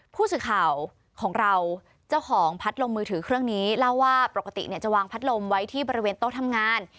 ผู้สื่อข่าวของเราเจ้าของพัดลมมือถือเครื่องนี้เล่าว่าปกติเนี่ยจะวางพัดลมไว้ที่บริเวณโต๊ะทำงาน